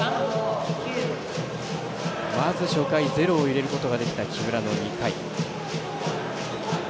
まず初回０を入れることができた木村の２回。